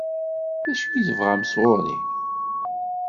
D acu i tebɣam sɣur-i?